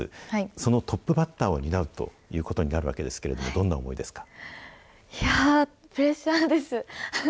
そのトップバッターを担うということになりますけど、どんないやー、プレッシャーです。